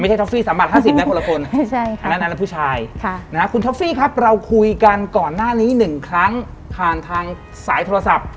ท็อฟฟี่๓บาท๕๐นะคนละคนอันนั้นผู้ชายคุณท็อฟฟี่ครับเราคุยกันก่อนหน้านี้๑ครั้งผ่านทางสายโทรศัพท์